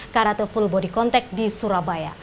karate full body contact di surabaya